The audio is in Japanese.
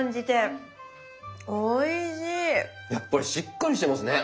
やっぱりしっかりしてますね。